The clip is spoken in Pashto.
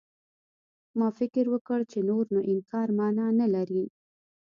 ما فکر وکړ چې نور نو انکار مانا نه لري.